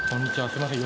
すいません